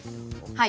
はい。